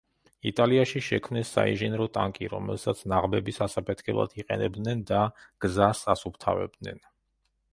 იტალიაში შექმნეს საინჟინრო ტანკი რომელსაც ნაღმების ასაფეთქებლად იყენებდნენ და გზას ასუფთავებდნენ.